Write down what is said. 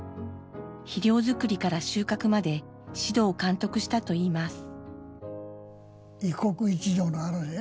肥料づくりから収穫まで指導監督したといいます。